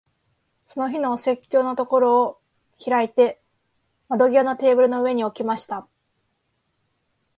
その日のお説教のところを開いて、窓際のテーブルの上に置きました。